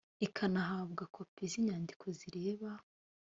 ikanahabwa kopi z inyandiko zireba